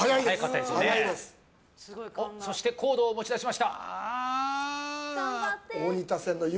そして、コードを持ち出しました。